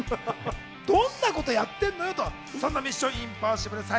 どんなことやってんのよと、そんな『ミッション：インポッシブル』